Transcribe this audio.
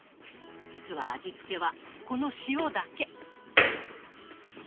実は味付けはこの塩だけ。